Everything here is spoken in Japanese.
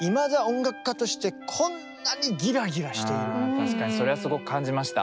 あ確かにそれはすごく感じました。